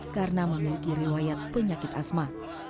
karena mengalami riwayat penyakit asma